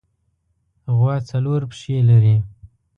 غوا څلور پښې لري.